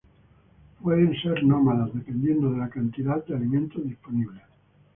Pueden ser nómadas, dependiendo de la cantidad de alimento disponible.